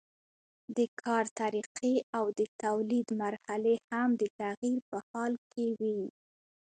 د کار طریقې او د تولید مرحلې هم د تغییر په حال کې وي.